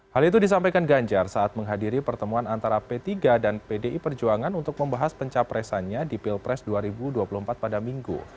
hal itu disampaikan ganjar saat menghadiri pertemuan antara p tiga dan pdi perjuangan untuk membahas pencapresannya di pilpres dua ribu dua puluh empat pada minggu